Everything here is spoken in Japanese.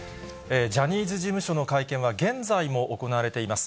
ジャニーズ事務所の会見は、現在も行われています。